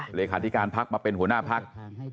เหลศกาธิการพักษ์มาเป็นหัวหน้าพักษ์